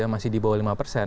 masih di bawah lima persen